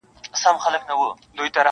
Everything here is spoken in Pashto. o نه یم رسېدلی و سپېڅلي لېونتوب ته زه,